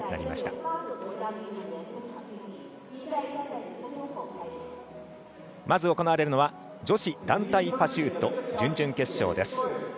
まず行われるのは女子団体パシュート準々決勝です。